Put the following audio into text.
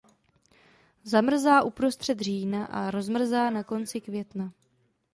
Zamrzá uprostřed října a rozmrzá na konci května.